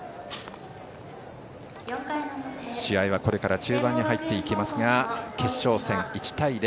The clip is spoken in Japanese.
試合はこれから中盤に入っていきますが決勝戦、１対０。